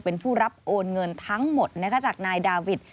เป็นผู้รับโอนเงินทั้งหมดจากนายดาวิท